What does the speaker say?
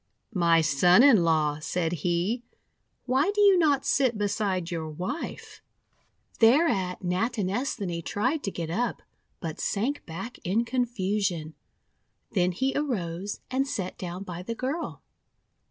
'My Son in law," said he, ;'why do you not sit beside your wife?' Thereat Natinesthani tried to get up, but sank back in confusion. Then he arose and sat down by the girl.